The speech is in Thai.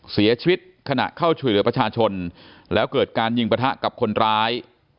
เสียชีวิตขณะเข้าช่วยเหลือประชาชนแล้วเกิดการยิงประทะกับคนร้าย